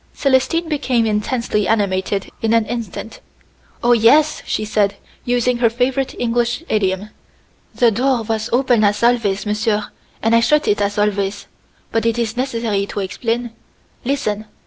Célestine became intensely animated in an instant. "Oh, yes," she said, using her favorite English idiom. "The door was open as always, monsieur, and I shut it as always. But it is necessary to explain. Listen!